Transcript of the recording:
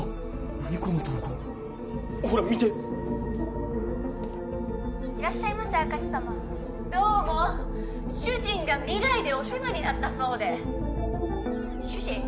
何この投稿ほら見ていらっしゃいませ明石様どうも主人が未来でお世話になったそうで主人？